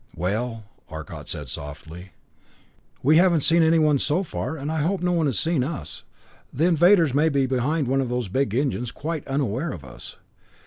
"Well," Arcot said softly. "We haven't seen anyone so far, and I hope no one has seen us. The invaders may be behind one of those big engines, quite unaware of us.